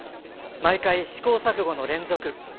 毎回、試行錯誤の連続。